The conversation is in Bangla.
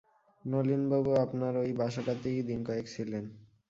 নলিনবাবু আপনার ঐ বাসাটাতেই দিন-কয়েক ছিলেন।